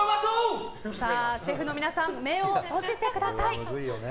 シェフの皆さん目を閉じてください。